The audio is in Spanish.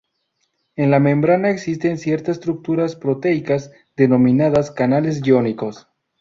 En la membrana existen ciertas estructuras proteicas denominadas "canales iónicos".